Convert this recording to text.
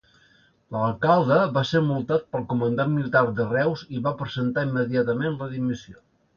L'alcalde va ser multat pel comandant militar de Reus i va presentar immediatament la dimissió.